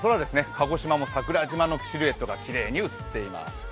鹿児島も桜島のシルエットがきれいに映っています。